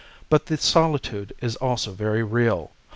But the solitude is also very real.